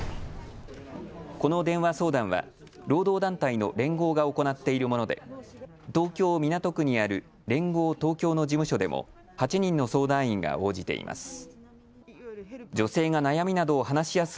この電話相談は労働団体の連合が行っているもので東京港区にある連合東京の事務所でも８人の相談員が応じています。